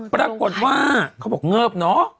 ปรากฏว่าเขาบอกเงิบเนอะ